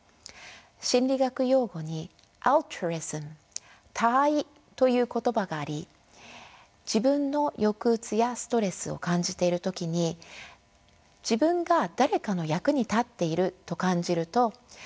心理学用語にＡｌｔｒｕｉｓｍ他愛という言葉があり自分の抑うつやストレスを感じている時に自分が誰かの役に立っていると感じると抑うつが和らぐという考え方です。